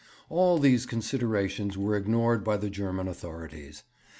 All these considerations were ignored by the German authorities.